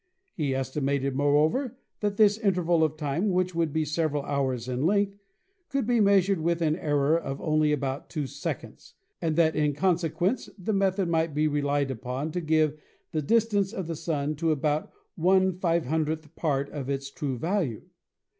He estimated, moreover, that this interval of time, which would be several hours in length, could be measured with an error of only about two seconds, and that in conse t quence the method might be relied upon to give the dis tance of the Sun to about 1/500 part of its true value.